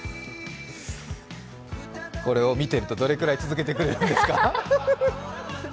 これを見ているとどれくらい続けてくれるんですか。